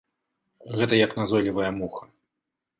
Гэта як назойлівая муха.